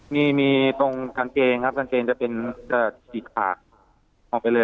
มีมีตรงกางเกงครับกางเกงจะเป็นฉีกขาดออกไปเลย